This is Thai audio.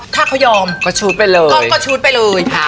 ถ้าเค้ายอมก็ชุดไปเลย